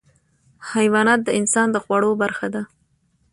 حیوانات د انسان د خوړو برخه دي.